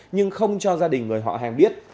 nhưng không cho gia đình người họ hàng biết